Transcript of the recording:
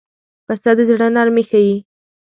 پسه د زړه نرمي ښيي.